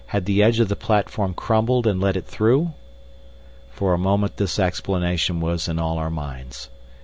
Had the edge of the platform crumbled and let it through? For a moment this explanation was in all our minds.